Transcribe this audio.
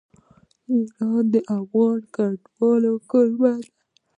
ایران د افغان کډوالو کوربه دی.